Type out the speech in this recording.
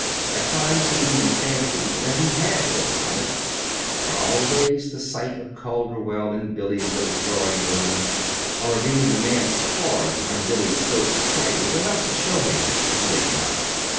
At times he even fancied that he had overcome it; but always the sight of Calderwell in Billy's little drawing room or of even the man's card on Billy's silver tray was enough to show him that he had not.